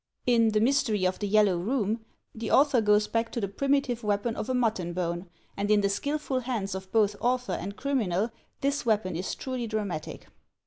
In "The Mystery of the Yellow Room," the author goes back to the primitive weapon of a mutton bone, and in the skillful hands of both author and criminal this weapon is truly dramatic.